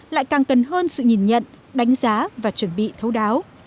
lại càng cần hơn sự nhìn nhận đánh giá và chuẩn bị thấu đáo